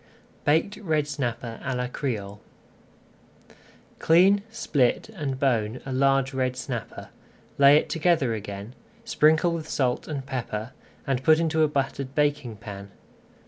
BAKED RED SNAPPER À LA CRÉOLE Clean, split, and bone a large red snapper, lay it together again, sprinkle with salt and pepper, and put into a buttered baking pan.